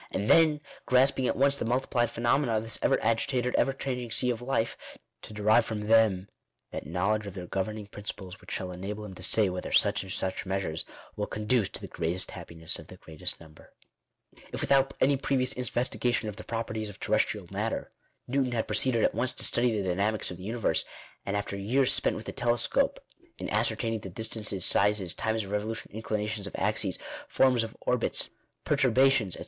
and then, grasping at once the multiplied phenomena of this ever agitated, ever changing sea of life, to derive from them that knowledge of their governing principles which shall enable him to say whether such and such measures will conduce to " the greatest happiness of the greatest number/* If without any previous investigation of the properties of terrestrial matter, Newton had proceeded at once to study the dynamics of the universe, and after years spent with the telescope in ascertaining the distances, sizes, times of revolu tion, inclinations of axes, forms of orbits, perturbations, &c.